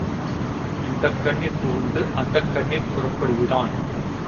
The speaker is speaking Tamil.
இந்தக் கண்ணிற் புகுந்து அந்தக் கண்ணிற் புறப்படுகிறான்.